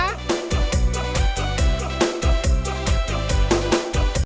โปรดติดตามตอนต่อไป